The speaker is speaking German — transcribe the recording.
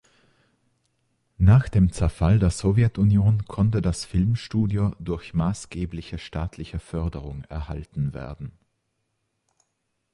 Nach dem Zerfall der Sowjetunion konnte das Filmstudio durch maßgebliche staatliche Förderungen erhalten werden.